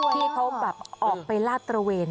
ที่เขาแบบออกไปลาดตระเวน